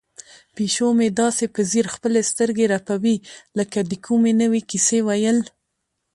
پیشو مې داسې په ځیر خپلې سترګې رپوي لکه د کومې نوې کیسې ویل.